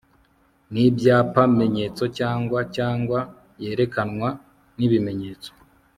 n ibyapamenyetso cyangwa cyangwa yerekanwa n ibimenyetso